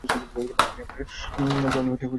আমি আপনার চরণে মাথা পেতে দিতে চাই!